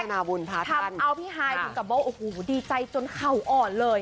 อันนุมกรรณบุญพระท่านทำเอาพี่ฮายถึงกับโบ้โอ้โหดีใจจนเข่าอ่อนเลย